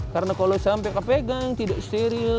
karena kalau sampai kepegang tidak steril